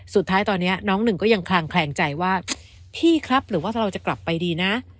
สุดท้ายตอนนี้น้องหนึ่งก็ยังคลางแคลงใจว่าพี่ครับหรือว่าถ้าเราจะกลับไปดีนะ